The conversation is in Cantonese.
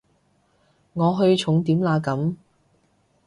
我去重點啦咁